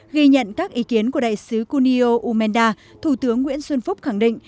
ghi nhận các ý kiến của đại sứ kunio umenda thủ tướng nguyễn xuân phúc khẳng định